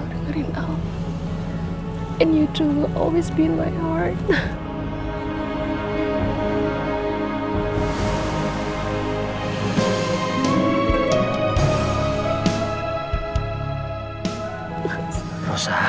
mulai sekarang kemarus jauh lebih pekang